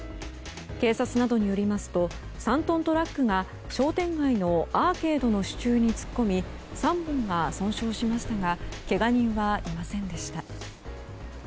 警察などによりますと３トントラックが商店街のアーケードの支柱に突っ込み３本が損傷しましたがけが人はいませんでした。